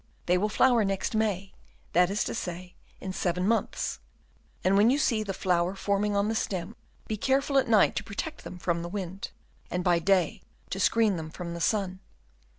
They will flower next May, that is to say, in seven months; and, when you see the flower forming on the stem, be careful at night to protect them from the wind, and by day to screen them from the sun.